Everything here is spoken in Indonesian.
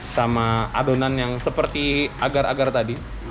sama adonan yang seperti agar agar tadi